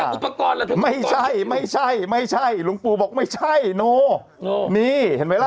แต่อุปกรณ์ไม่ใช่ไม่ใช่ไม่ใช่หลุงปูบอกไม่ใช่นี่เห็นไหมล่ะ